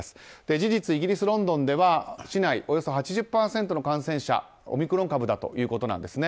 事実、イギリス・ロンドンでは市内、およそ８０％の感染者がオミクロン株ということなんです。